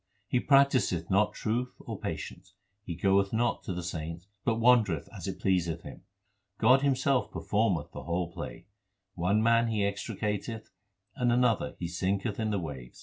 He practiseth not truth or patience ; he goeth not to the saints, but wander eth as it pleaseth him. God Himself performeth the whole play ; One man He extricateth and another He sinketh in the wave.